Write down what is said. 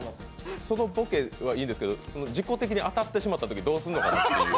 そのボケはいいんですけど、事故的に当たってしまったときにどうすんのかなっていう。